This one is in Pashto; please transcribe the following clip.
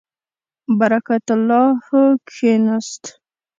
برکت الله کښېنست.